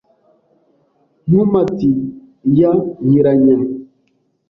Nkomati ya Nkiranya